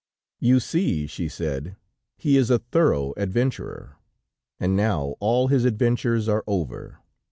"'You see,' she said, 'he is a thorough adventurer, and now all his adventures are over.